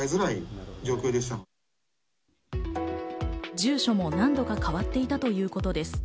住所も何度か変わっていたということです。